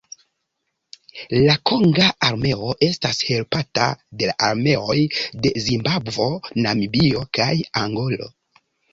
La konga armeo estas helpata de la armeoj de Zimbabvo, Namibio kaj Angolo.